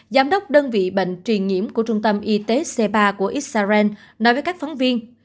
giám đốc đơn vị bệnh truyền nhiễm của trung tâm y tế c ba của israel nói với các phóng viên